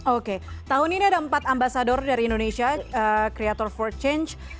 oke tahun ini ada empat ambasador dari indonesia creator for change